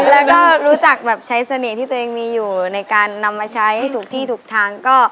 แล้วก็รู้จักแบบใช้เสน่ห์ที่ตัวเองมีอยู่ในการนำมาใช้ถูกที่ถูกทาง